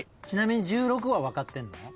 ちなみに１６は分かってんの？